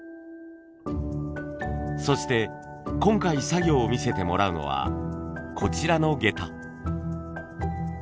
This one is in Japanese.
そして今回作業を見せてもらうのはこちらの下駄。